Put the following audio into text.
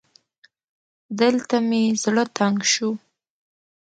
دلته مې زړه تنګ شو